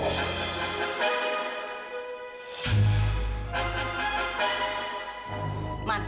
saya sudah tahu